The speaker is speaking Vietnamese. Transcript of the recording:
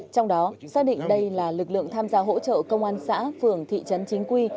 trong đó xác định đây là lực lượng tham gia hỗ trợ công an xã phường thị trấn chính quy